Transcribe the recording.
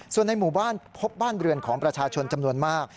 ส่วนในหมู่บ้านพบบ้านเรือนของประชาชนจำนวนมาก